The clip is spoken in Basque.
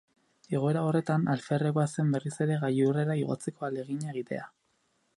Egoera horretan, alferrekoa zen berriz ere gailurrera igotzeko ahalegina egitea.